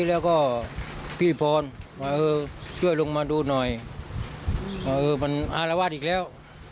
แล้วก็พี่พรว่าเออช่วยลงมาดูหน่อยว่าเออมันอารวาสอีกแล้ว